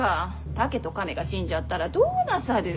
竹と亀が死んじゃったらどうなさる。